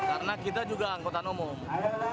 karena kita juga anggota nomor